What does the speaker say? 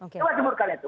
coba cemurkan itu